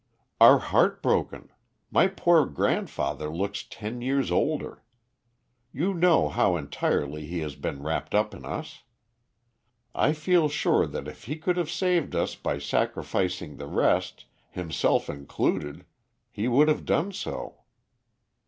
"Are heartbroken. My poor grandfather looks ten years older. You know how entirely he has been wrapped up in us. I feel sure that if he could have saved us by sacrificing the rest, himself included, he would have done so."